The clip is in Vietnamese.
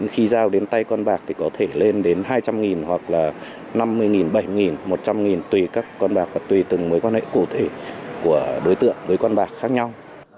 khi giao đến tay con bạc thì có thể lên đến hai trăm linh hoặc là năm mươi bảy một trăm linh tùy các con bạc và tùy từng mối quan hệ cụ thể của đối tượng với con bạc khác nhau